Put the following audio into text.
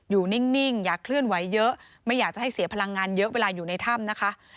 นิ่งอย่าเคลื่อนไหวเยอะไม่อยากจะให้เสียพลังงานเยอะเวลาอยู่ในถ้ำนะคะ